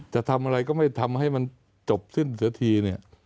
จะทำอะไรก็ไม่ทำให้มันจบสิ้นเสียทีเนี่ย